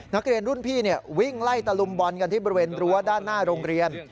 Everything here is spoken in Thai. นักเรียนรุ่นพี่วิ่งไล่ตะลุมบอลกันที่บริเวณรั้วด้านหน้าโรงเรียน